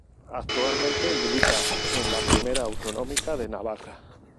Actualmente milita en la Primera Autonómica de Navarra.